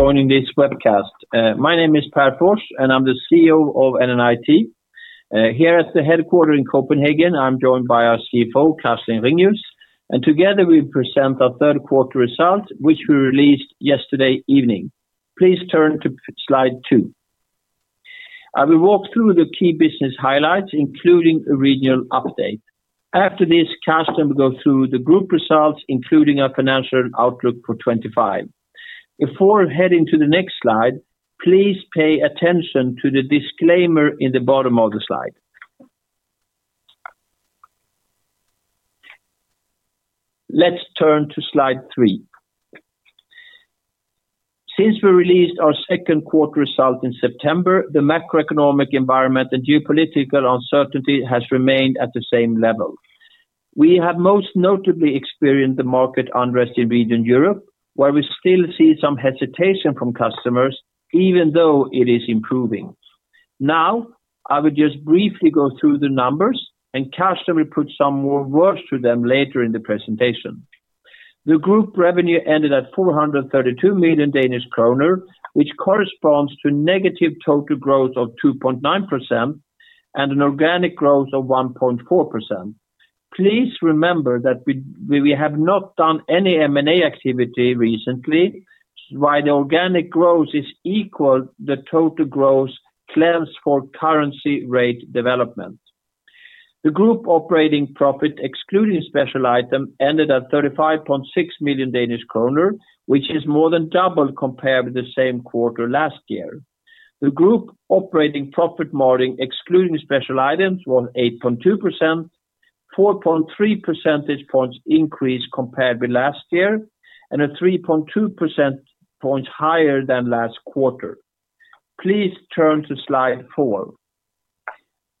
Joining this webcast. My name is Pär Fors, and I'm the CEO of NNIT. Here at the headquarter in Copenhagen, I'm joined by our CFO, Carsten Ringius, and together we present our third-quarter results which we released yesterday evening. Please turn to slide two. I will walk through the key business highlights, including a regional update. After this, Carsten will go through the group results, including our financial outlook for 2025. Before heading to the next slide, please pay attention to the disclaimer in the bottom of the slide. Let's turn to slide three. Since we released our second-quarter result in September, the macroeconomic environment and geopolitical uncertainty have remained at the same level. We have most notably experienced the market unrest in region Europe, where we still see some hesitation from customers, even though it is improving. Now I will just briefly go through the numbers, and Carsten will put some words to them later in the presentation. The group revenue ended at 432 million Danish kroner, which corresponds to a negative total growth of 2.9% and an organic growth of 1.4%. Please remember that we have not done any M&A activity recently, while the organic growth is equal to the total growth claimed for currency rate development. The group operating profit, excluding special items, ended at 35.6 million Danish kroner, which is more than double compared with the same quarter last year. The group operating profit margin, excluding special items, was 8.2%. 4.3 percentage points increased compared with last year, and a 3.2 percentage point higher than last quarter. Please turn to slide four.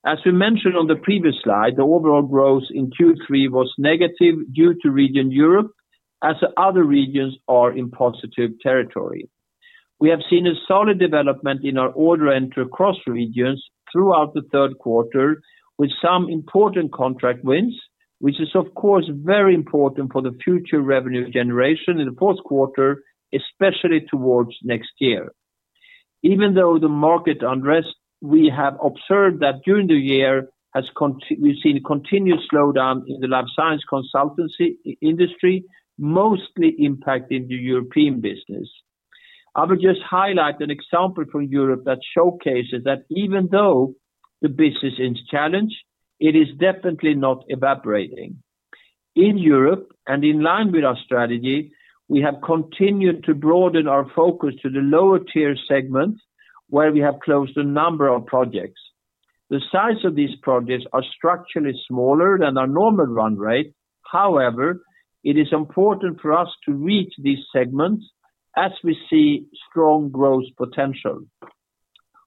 As we mentioned on the previous slide, the overall growth in Q3 was negative due to region Europe, as other regions are in positive territory. We have seen a solid development in our order entry across regions throughout the third quarter, with some important contract wins, which is of course very important for the future revenue generation in the fourth quarter, especially towards next year. Even through the market unrest we have observed during the year, we've seen continued slow down in the life science consultancy industry, mostly impacting the European business. I will just highlight an example from Europe that showcases that even though the business is in challenge, it is definitely not evaporating. In Europe, and in line with our strategy, we have continued to broaden our focus to the lower-tier segment, where we have closed a number of projects. The size of these projects is structurally smaller than our normal run rate. However, it is important for us to reach these segments as we see strong growth potential.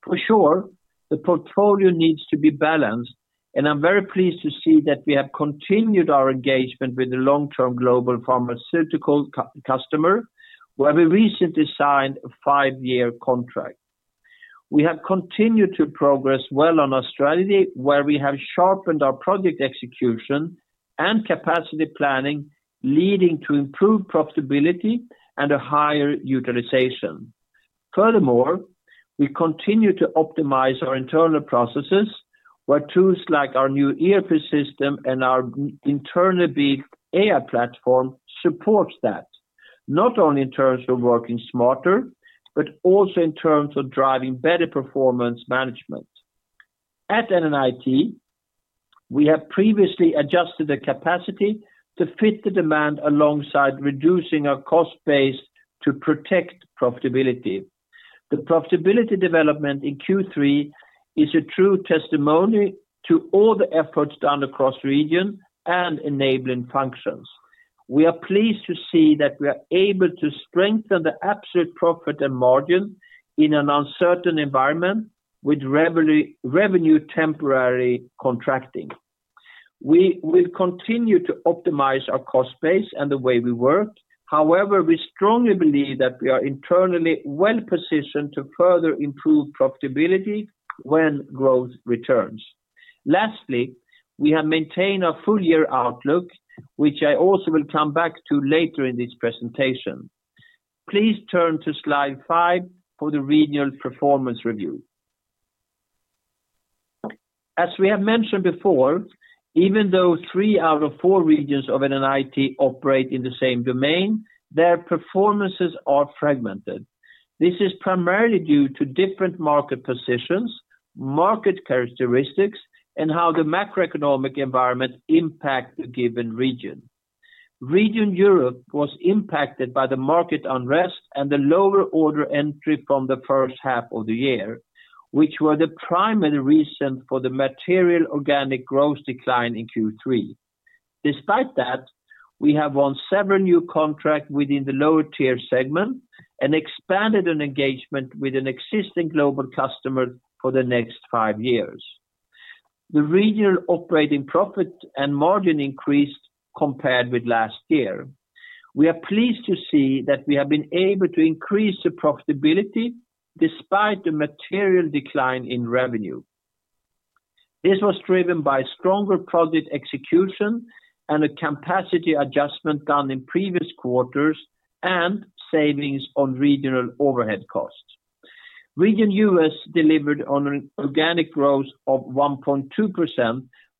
For sure, the portfolio needs to be balanced, and I'm very pleased to see that we have continued our engagement with the long-term global pharmaceutical customer, where we recently signed a five-year contract. We have continued to progress well on our strategy, where we have sharpened our project execution and capacity planning, leading to improved profitability and a higher utilization. Furthermore, we continue to optimize our internal processes, where tools like our new ERP system and our internally-built AI platform supports that, not only in terms of working smarter, but also in terms of driving better performance management. At NNIT, we have previously adjusted the capacity to fit the demand, alongside reducing our cost base to protect profitability. The profitability development in Q3 is a true testimony to all the efforts done across the region and enabling functions. We are pleased to see that we are able to strengthen the absolute profit and margin in an uncertain environment, with revenue temporarily contracting. We will continue to optimize our cost base and the way we work. However, we strongly believe that we are internally well-positioned to further improve profitability when growth returns. Lastly, we have maintained our full-year outlook, which I also will come back to later in this presentation. Please turn to slide five for the regional performance review. As we have mentioned before, even though three out of four regions of NNIT operate in the same domain, their performances are fragmented. This is primarily due to different market positions, market characteristics, and how the macroeconomic environment impacts the given region. Region Europe was impacted by the market unrest, and the lower order entry from the first half of the year, which were the primary reason for the material organic growth decline in Q3. Despite that, we have won several new contracts within the lower-tier segment and expanded our engagement with an existing global customer for the next five years. The region is operating profit and margin increased compared with last year. We are pleased to see that we have been able to increase the profitability, despite the material decline in revenue. This was driven by stronger project execution, and a capacity adjustment done in previous quarters and savings on regional overhead costs. Region U.S. delivered on an organic growth of 1.2%,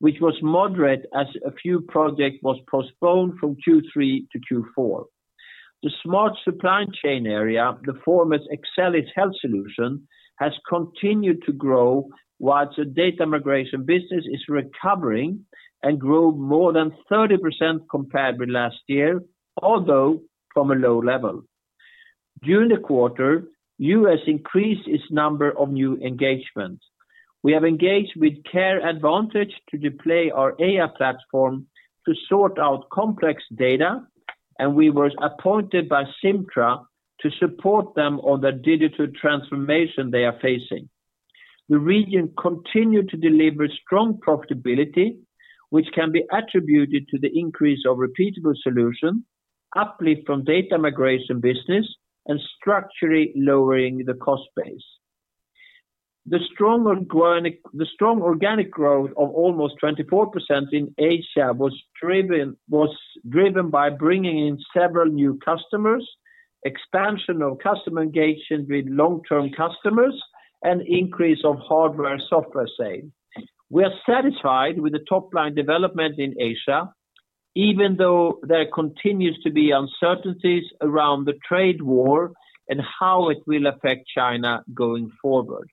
which was moderate, as a few projects were postponed from Q3 to Q4. The smart supply chain area, the former Excellis Health Solutions, has continued to grow, while the data migration business is recovering and grew more than 30% compared with last year, although from a low level. During the quarter, U.S. increased its number of new engagements. We have engaged with Care Advantage to deploy our AI platform to sort out complex data, and we were appointed by Simtra to support them on the digital transformation they are facing. The region continued to deliver strong profitability, which can be attributed to the increase of repeatable solutions, uplift from data migration business and structurally lowering the cost base. The strong organic growth of almost 24% in Asia was driven by bringing in several new customers, expansion of customer engagement with long-term customers and increase of hardware and software sales. We are satisfied with the top-line development in Asia, even though there continues to be uncertainties around the trade war and how it will affect China going forward.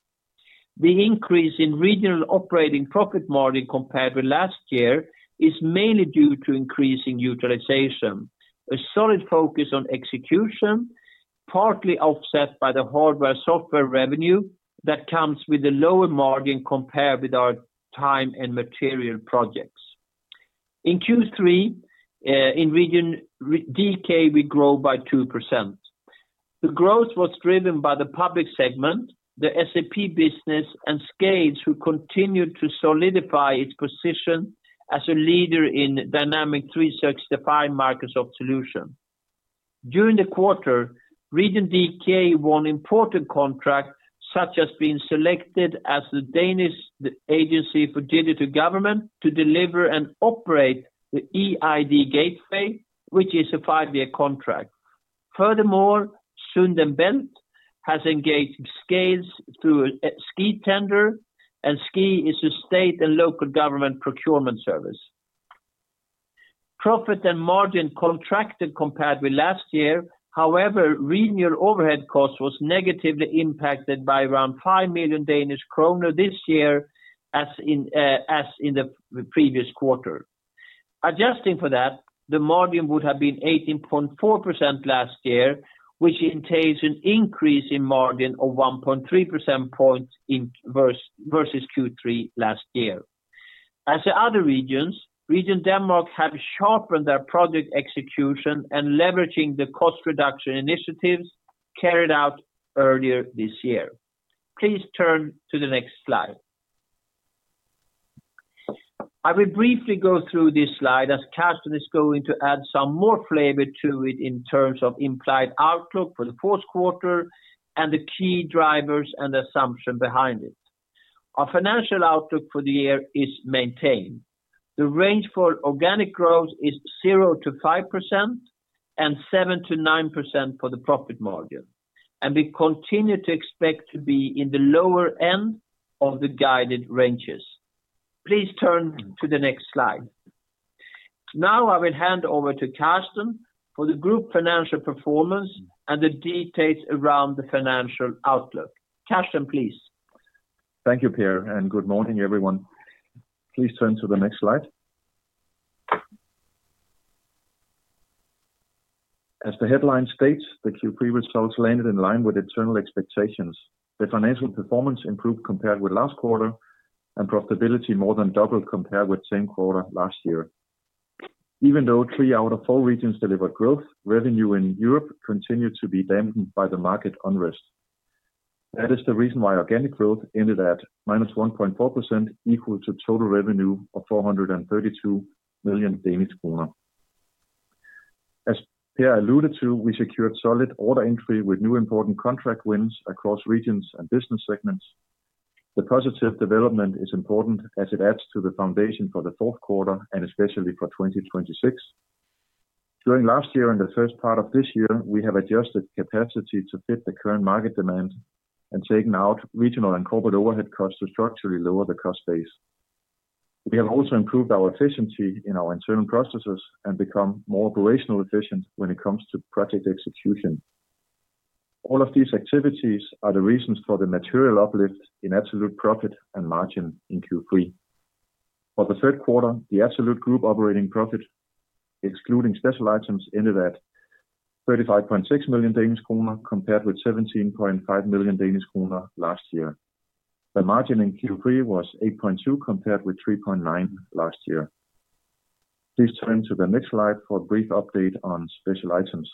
The increase in regional operating profit margin compared with last year is mainly due to increasing utilization, a solid focus on execution, partly offset by the hardware and software revenue that comes with the lower margin compared with our time and material projects. In Q3, in region DK, we grew by 2%. The growth was driven by the public segment, the SAP business and SCADES, who continued to solidify its position as a leader in Dynamics 365 Microsoft solutions. During the quarter, region DK won important contracts, such as being selected as the Danish Agency for Digital Government, to deliver and operate the eID Gateway, which is a five-year contract. Furthermore, has engaged SCADES through SKI Tender, and SKI is a state and local government procurement service. Profit and margin contracted compared with last year. However, regional overhead costs were negatively impacted by around 5 million Danish kroner this year, as in the previous quarter. Adjusting for that, the margin would have been 18.4% last year, which entails an increase in margin of 1.3 percentage points versus Q3 last year. As the other regions, region Denmark has sharpened their project execution and leveraged the cost reduction initiatives carried out earlier this year. Please turn to the next slide. I will briefly go through this slide, as Carsten is going to add some more flavor to it in terms of implied outlook for the fourth quarter and the key drivers, and the assumption behind it. Our financial outlook for the year is maintained. The range for organic growth is 0%-5% and 7-9% for the profit margin. We continue to expect to be in the lower end of the guided ranges. Please turn to the next slide. Now, I will hand over to Carsten for the group financial performance, and the details around the financial outlook. Carsten, please. Thank you, Pär. Good morning, everyone. Please turn to the next slide. As the headline states, the Q3 results landed in line with internal expectations. The financial performance improved compared with last quarter, and profitability more than doubled compared with the same quarter last year. Even though three out of four regions delivered growth, revenue in Europe continued to be dampened by the market unrest. That is the reason why organic growth ended at -1.4%, equal to total revenue of 432 million Danish kroner. As Pär alluded to, we secured solid order entry, with new important contract wins across regions and business segments. The positive development is important, as it adds to the foundation for the fourth quarter and especially for 2026. During last year and the first part of this year, we have adjusted capacity to fit the current market demand and taken out regional and corporate overhead costs, to structurally lower the cost base. We have also improved our efficiency in our internal processes, and become more operationally efficient when it comes to project execution. All of these activities are the reasons for the material uplift in absolute profit and margin in Q3. For the third quarter, the absolute group operating profit, excluding special items, ended at 35.6 million Danish kroner compared with 17.5 million Danish kroner last year. The margin in Q3 was 8.2% compared with 3.9% last year. Please turn to the next slide for a brief update on special items.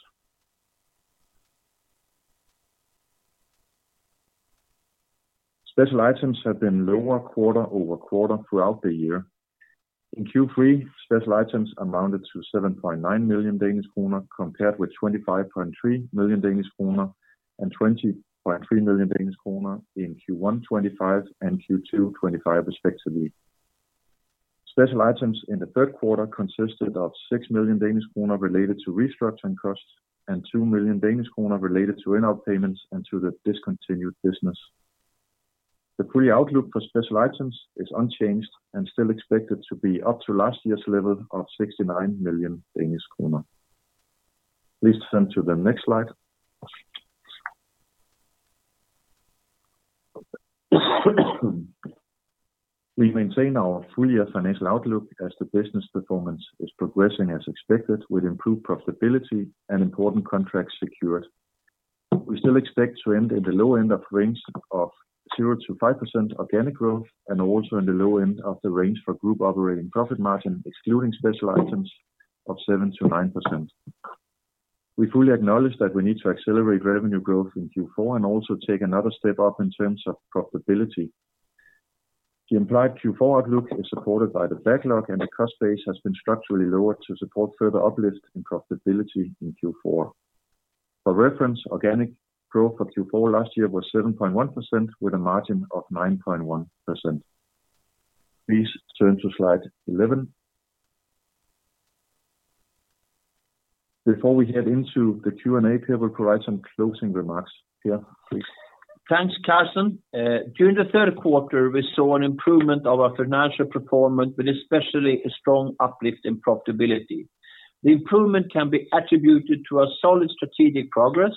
Special items have been lower quarter-over-quarter throughout the year. In Q3, special items amounted to 7.9 million Danish kroner, compared with 25.3 million Danish kroner and 20.3 million Danish kroner in Q1 2025 and Q2 2025, respectively. Special items in the third quarter consisted of 6 million Danish kroner related to restructuring costs, and 2 million Danish kroner related to earnout payments and to the discontinued business. The full outlook for special items is unchanged, and still expected to be up to last year's level of 69 million Danish kroner. Please turn to the next slide. We maintain our full-year financial outlook, as the business performance is progressing as expected, with improved profitability and important contracts secured. We still expect to end in the low end of the range of 0%-5% organic growth, and also in the low end of the range for group operating profit margin, excluding special items, of 7%-9%. We fully acknowledge that we need to accelerate revenue growth in Q4, and also take another step up in terms of profitability. The implied Q4 outlook is supported by the backlog, and the cost base has been structurally lowered to support further uplift in profitability in Q4. For reference, organic growth for Q4 last year was 7.1%, with a margin of 9.1%. Please turn to slide 11. Before we head into the Q&A, Pär will provide some closing remarks. Pär, please. Thanks, Carsten. During the third quarter, we saw an improvement of our financial performance, with especially a strong uplift in profitability. The improvement can be attributed to our solid strategic progress,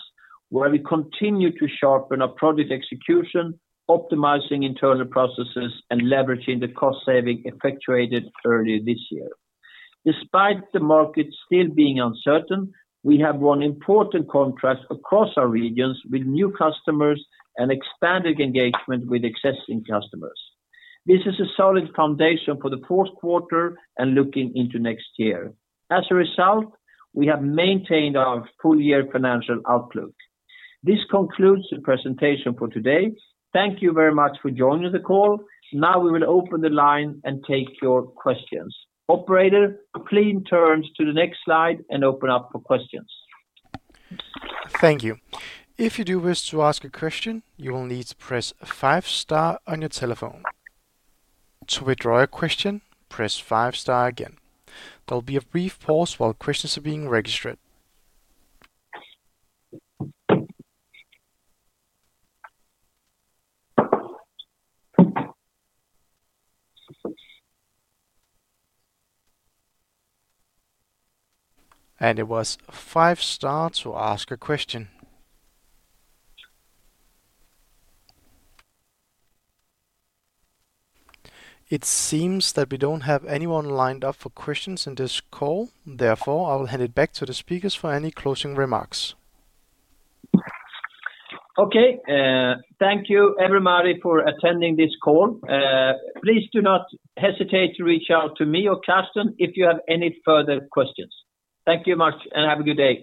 where we continue to sharpen our project execution, optimizing internal processes and leveraging the cost savings effectuated earlier this year. Despite the market still being uncertain, we have won important contracts across our regions, with new customers and expanded engagement with existing customers. This is a solid foundation for the fourth quarter and looking into next year. As a result, we have maintained our full-year financial outlook. This concludes the presentation for today. Thank you very much for joining the call. Now we will open the line and take your questions. Operator, please turn to the next slide and open up for questions. Thank you. If you do wish to ask a question, you will need to press five, star on your telephone. To withdraw your question, press five, star again. There will be a brief pause while questions are being registered. It was five, star to ask a question. It seems that we do not have anyone lined up for questions in this call. Therefore, I will hand it back to the speakers for any closing remarks. Okay. Thank you, everybody for attending this call. Please do not hesitate to reach out to me or Carsten if you have any further questions. Thank you very much, and have a good day.